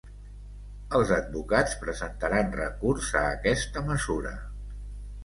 Els advocats presentaran recurs a aquesta mesura